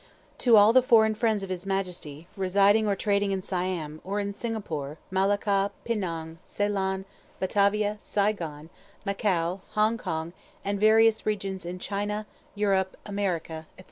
"To all the foreign friends of His Majesty, residing or trading in Siam, or in Singapore, Malacca, Pinang, Ceylon, Batavia, Saigon, Macao, Hong kong, & various regions in China, Europe, America, &c.